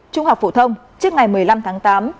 trung học phổ thông trước ngày một mươi năm tháng tám